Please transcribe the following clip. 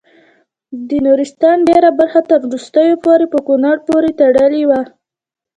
د نورستان ډیره برخه تر وروستیو پورې په کونړ پورې تړلې وه.